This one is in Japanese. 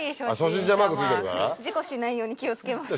事故しないように気を付けます。